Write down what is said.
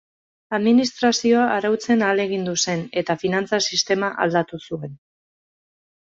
Administrazioa arautzen ahalegindu zen, eta finantza-sistema aldatu zuen.